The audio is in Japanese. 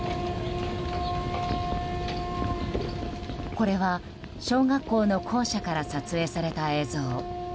これは小学校の校舎から撮影された映像。